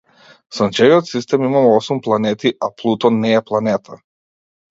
Сончевиот систем има осум планети, а Плутон не е планета.